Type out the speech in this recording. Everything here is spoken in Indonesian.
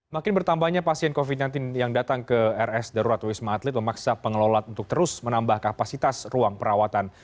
makin bertambahnya pasien covid sembilan belas yang datang ke rs darurat wisma atlet memaksa pengelola untuk terus menambah kapasitas ruang perawatan